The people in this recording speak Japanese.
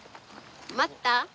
待った？